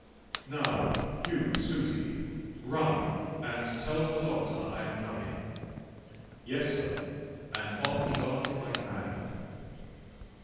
"Now, you Susi, run, and tell the Doctor I am coming." "Yes, sir," and off he darted like a madman.